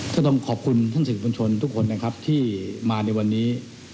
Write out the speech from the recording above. ก็ต้องขอบคุณท่านสื่อบัญชนทุกคนนะครับที่มาในวันนี้